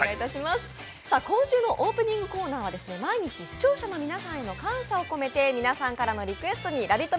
今週のオープニングコーナーは毎日、視聴者への感謝を込めて皆さんからのリクエストにラヴィット！